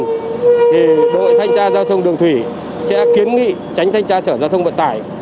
thì đội thanh tra giao thông đường thủy sẽ kiến nghị tránh thanh tra sở giao thông vận tải